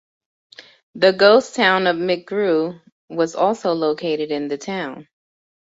The ghost town of McGrew was also located in the town.